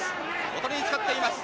おとりに使っています。